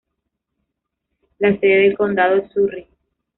La sede del condado es Surry.